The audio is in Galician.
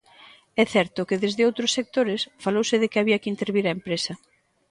É certo que desde outros sectores falouse de que había que intervir a empresa.